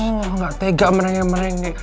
oh gak tega merengek merengek